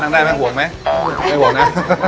ได้ไหมห่วงไหมไม่ห่วงนะ